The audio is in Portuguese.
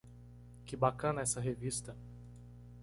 Que bacana essa revista.